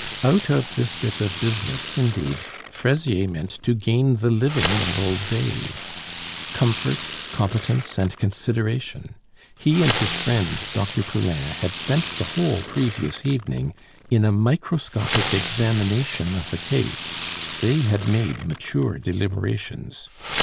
Out of this bit of business, indeed, Fraisier meant to gain the living of old days; comfort, competence, and consideration. He and his friend Dr. Poulain had spent the whole previous evening in a microscopic examination of the case; they had made mature deliberations.